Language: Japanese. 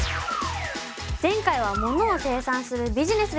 前回は「ものを生産するビジネス」でした。